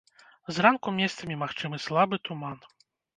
Зранку месцамі магчымы слабы туман.